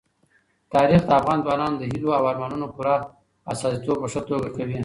تاریخ د افغان ځوانانو د هیلو او ارمانونو پوره استازیتوب په ښه توګه کوي.